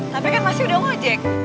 tapi kan pasti udah ngojek